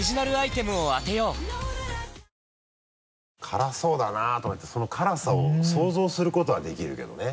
辛そうだなとかってその辛さを想像することはできるけどね。